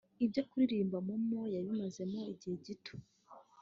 Ibyo kuririmba Momo yabimazemo igihe gito